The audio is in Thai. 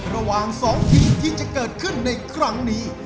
ระหว่าง๒ทีมที่จะเกิดขึ้นในครั้งนี้